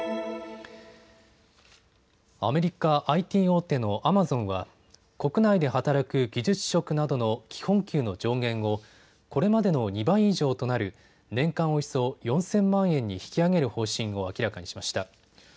アメリカＩＴ大手のアマゾンは国内で働く技術職などの基本給の上限をこれまでの２倍以上となる年間およそ４０００万円に引き上げる方針を明らかにしました。